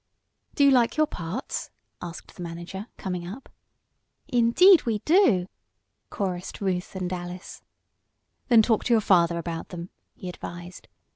"Do you like your parts?" asked the manager, coming up. "Indeed we do!" chorused Ruth and Alice. "Then talk to your father about them," he advised.